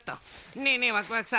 ねえねえワクワクさん。